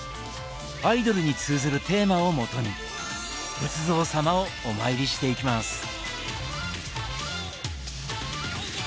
アイドルに通ずるテーマをもとに仏像様をお参りしていきます。